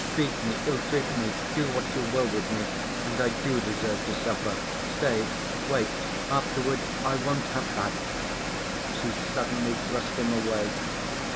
Beat me, ill‐treat me, do what you will with me.... And I do deserve to suffer. Stay, wait, afterwards, I won't have that...." she suddenly thrust him away.